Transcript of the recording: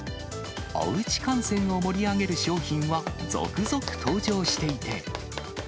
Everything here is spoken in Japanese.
おうち観戦を盛り上げる商品は続々登場していて。